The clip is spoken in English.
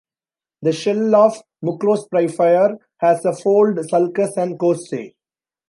The shell of "Mucrospirifer" has a fold, sulcus and costae.